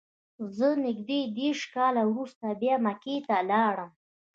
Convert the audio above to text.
زه نږدې دېرش کاله وروسته بیا مکې ته لاړم.